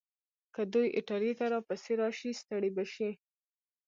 که دوی ایټالیې ته راپسې راشي، ستړي به شي.